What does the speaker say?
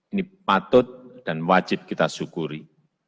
ini patut dan wajib kita syukuri